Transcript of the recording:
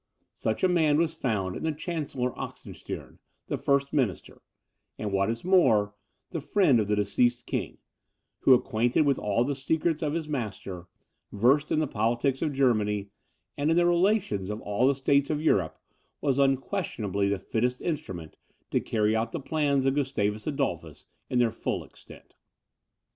Such a man was found in the Chancellor Oxenstiern, the first minister, and what is more, the friend of the deceased king, who, acquainted with all the secrets of his master, versed in the politics of Germany, and in the relations of all the states of Europe, was unquestionably the fittest instrument to carry out the plans of Gustavus Adolphus in their full extent.